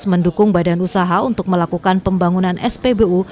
mendukung badan usaha untuk melakukan pembangunan spbu